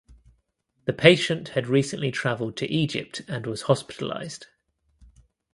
The patient had recently traveled to Egypt and was hospitalized.